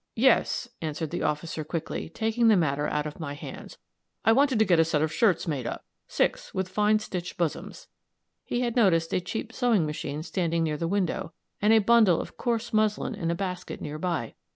"Yes," answered the officer, quickly, taking the matter out of my hands. "I wanted to get a set of shirts made up six, with fine, stitched bosoms." He had noticed a cheap sewing machine standing near the window, and a bundle of coarse muslin in a basket near by.